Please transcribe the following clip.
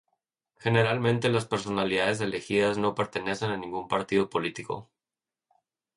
Generalmente, las personalidades elegidas no pertenecen a ningún partido político.